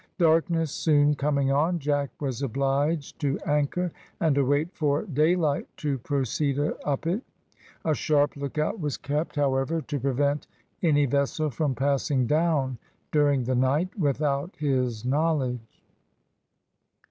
Darkness soon coming on, Jack was obliged to anchor, and await for daylight to proceed up it. A sharp lookout was kept, however, to prevent any vessel from passing down during the night, without his knowledge.